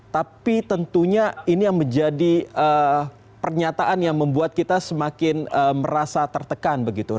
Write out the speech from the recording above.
tapi tentunya ini yang menjadi pernyataan yang membuat kita semakin merasa tertekan begitu